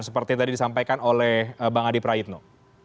seperti yang tadi disampaikan oleh bang adi prayitno